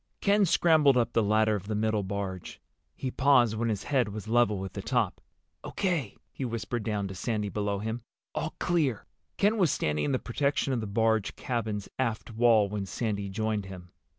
Ken scrambled up the ladder of the middle barge. He paused when his head was level with the top. "O.K.," he whispered down to Sandy below him. "All clear." Ken was standing in the protection of the barge cabin's aft wall when Sandy joined him.